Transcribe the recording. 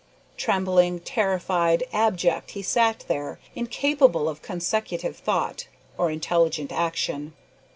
Trembling, terrified, abject he sat there, incapable of consecutive thought or intelligent action.